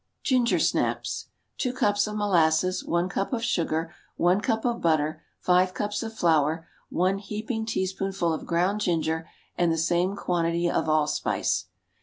Ginger Snaps. Two cups of molasses. One cup of sugar. One cup of butter. Five cups of flour. One heaping teaspoonful of ground ginger, and the same quantity of allspice.